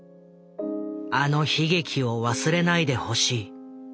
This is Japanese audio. あの悲劇を忘れないでほしい。